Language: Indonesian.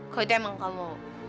kalau itu emang kamu